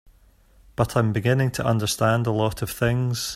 But I'm beginning to understand a lot of things.